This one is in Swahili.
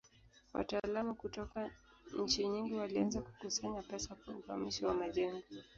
Wataalamu kutoka nchi nyingi walianza kukusanya pesa kwa uhamisho wa majengo.